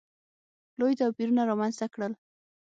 لوی توپیرونه رامځته کړل.